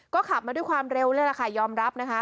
ก็ขับมาด้วยความเร็วเลยล่ะค่ะยอมรับนะคะ